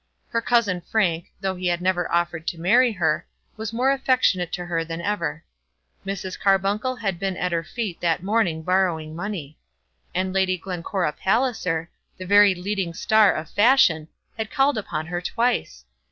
Her cousin Frank, though he had never offered to marry her, was more affectionate to her than ever. Mrs. Carbuncle had been at her feet that morning borrowing money. And Lady Glencora Palliser, the very leading star of fashion, had called upon her twice!